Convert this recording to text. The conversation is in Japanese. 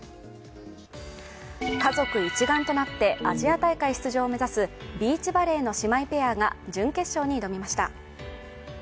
家族一丸となってアジア大会出場を目指すビーチバレーの姉妹ペアが準決勝に挑みました。